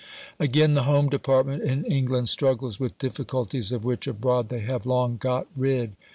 Again, the Home Department in England struggles with difficulties of which abroad they have long got rid.